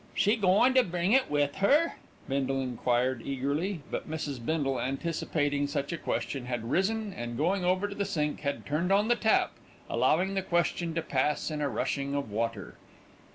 "She goin' to bring it with 'er?" Bindle enquired eagerly; but Mrs. Bindle, anticipating such a question, had risen and, going over to the sink, had turned on the tap, allowing the question to pass in a rushing of water.